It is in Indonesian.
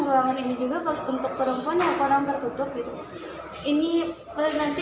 ruangan ini juga untuk perempuan yang kurang tertutup